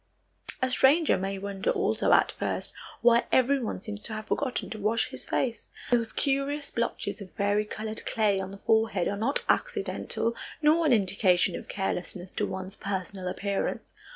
A stranger may wonder also at first why everyone seems to have forgotten to wash his face. Those curious blotches of varicolored clay on the forehead are not accidental nor an indication of carelessness to one's personal appearance.